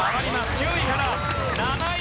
９位から７位！